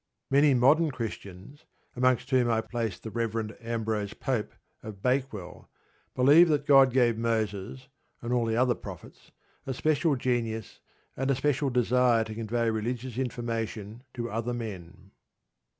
Many modern Christians, amongst whom I place the Rev. Ambrose Pope, of Bakewell, believe that God gave Moses (and all the other prophets) a special genius and a special desire to convey religious information to other men.